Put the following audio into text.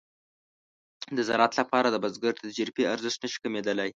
د زراعت لپاره د بزګر د تجربې ارزښت نشي کمېدلای.